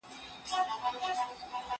زه له سهاره بازار ته ځم!